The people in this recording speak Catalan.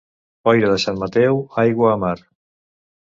Boira a Sant Mateu, aigua a mar.